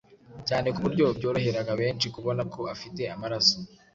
cyane ku buryo byoroheraga benshi kubona ko afite amaraso